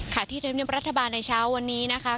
ที่ธรรมเนียมรัฐบาลในเช้าวันนี้นะคะ